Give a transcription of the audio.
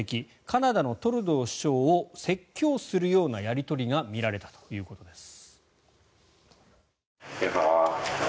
カナダのトルドー首相を説教するようなやり取りが見られたということです。